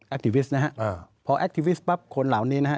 แอคทิวิสต์นะฮะอ่าพอแอคทิวิสต์ปั๊บคนเหล่านี้นะฮะ